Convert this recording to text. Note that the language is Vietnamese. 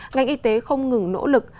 ngành y tế không ngừng nỗ lực